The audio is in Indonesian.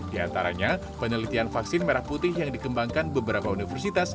di antaranya penelitian vaksin merah putih yang dikembangkan beberapa universitas